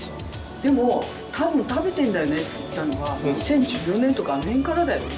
でも多分食べてんだよねって言ったのは２０１４年とかあの辺からだよね